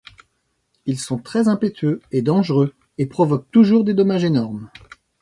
Ils sont très impétueux et dangereux et provoquent toujours des dommages énormes.